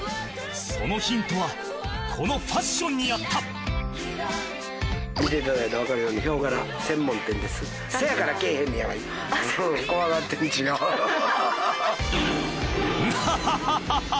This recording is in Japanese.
そのヒントはこのファッションにあったアハハハ！